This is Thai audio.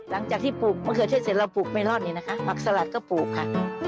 หลังจากที่ปลูกมะเขือเทศเสร็จเราปลูกไม่รอดนี่นะคะผักสลัดก็ปลูกค่ะ